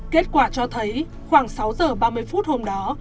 kết quả cho thấy khoảng sáu giờ ba mươi phút hôm đó